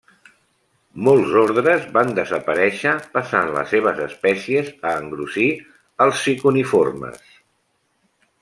Molts ordres van desaparèixer, passant les seves espècies a engrossir els ciconiformes.